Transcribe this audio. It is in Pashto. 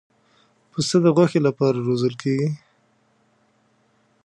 پسه د غوښې لپاره روزل کېږي.